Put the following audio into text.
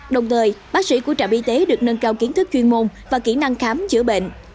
đồng thời bác sĩ của trạm y tế được nâng cao kiến thức chuyên môn và kỹ năng khám chữa bệnh